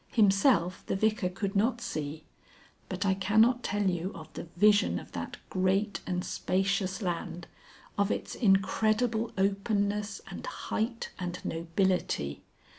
Himself the Vicar could not see. But I cannot tell you of the vision of that great and spacious land, of its incredible openness, and height, and nobility.